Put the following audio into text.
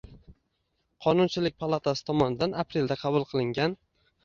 Qonunchilik palatasi tomonidan aprelda qabul qilingan